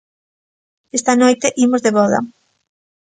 Esta noite imos de voda!